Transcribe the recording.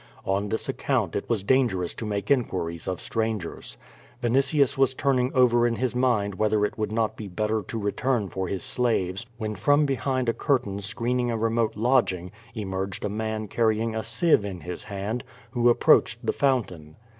On this account it was dangerous to make inquiries of strangers. Vinitius was turn ing over in his mind whether it would not be better to return for his slaves, when from behind a curtain screening a remote lodging, emerged a man carrying a sieve in his hand, who ap proached the fountain.